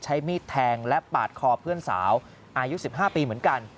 ใช้มีดแทงและปาดคอเพื่อนสาวอายุ๑๕ปีเหมือนกัน